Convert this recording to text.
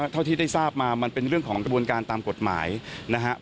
เท่าที่ได้ทราบมามันเป็นเรื่องของกระบวนการตามกฎหมายนะครับ